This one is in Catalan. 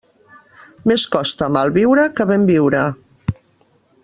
Més costa mal viure que ben viure.